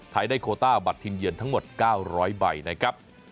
ไทยได้โคต้าบัตรทีมเยือนทั้งหมด๙๐๐ใบนะครับ